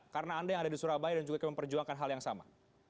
karena anda yang ada di surabaya dan juga memperjuangkan hal yang sama